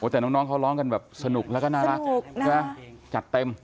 แต่น้องเค้าร้องก็สนุกและน่ารักสนุกนะจัดเต็ม